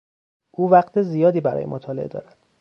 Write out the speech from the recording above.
او وقت زیاد برای مطالعه دارد.